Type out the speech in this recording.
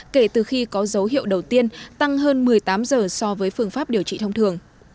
kể từ khi có dấu hiệu đầu tiên tăng hơn một mươi tám giờ so với phương pháp điều trị thông thường